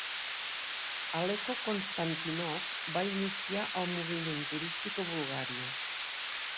Aleko Konstantinov va iniciar el moviment turístic a Bulgària.